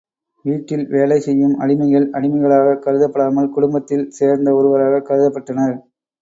வீட்டில் வேலை செய்யும் அடிமைகள் அடிமைகளாகக் கருதப்படாமல் குடும்பத்தில் சேர்ந்த ஒருவராகவே கருதப்பட்டனர்.